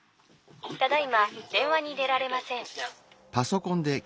「ただいまでんわに出られません」。